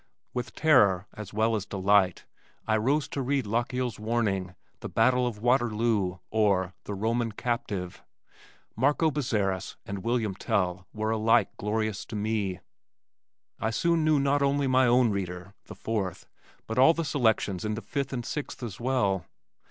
With terror as well as delight I rose to read Lochiel's Warning, The Battle of Waterloo or The Roman Captive. Marco Bozzaris and William Tell were alike glorious to me. I soon knew not only my own reader, the fourth, but all the selections in the fifth and sixth as well.